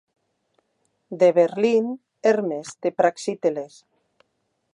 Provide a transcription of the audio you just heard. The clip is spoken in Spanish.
De Berlín "Hermes" de Praxíteles.